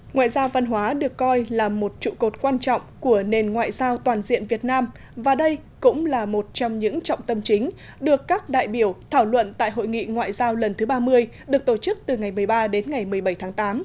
ngoại giao văn hóa được coi là một trụ cột quan trọng của nền ngoại giao toàn diện việt nam và đây cũng là một trong những trọng tâm chính được các đại biểu thảo luận tại hội nghị ngoại giao lần thứ ba mươi được tổ chức từ ngày một mươi ba đến ngày một mươi bảy tháng tám